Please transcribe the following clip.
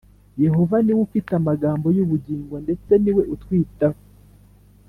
yehova niwe ufite amagambo yubugingo ndetse niwe utwitaho